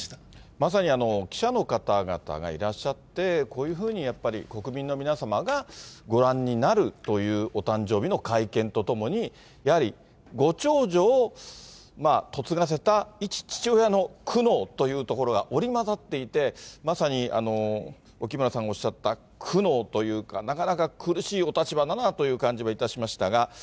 まさに記者の方々がいらっしゃって、こういうふうにやっぱり国民の皆様がご覧になるというお誕生日の会見とともに、やはりご長女を嫁がせた一父親の苦悩というところが織り交ざっていて、まさに沖村さんがおっしゃった、苦悩というか、なかなか苦しいお立場だなという感じはいたしましたが。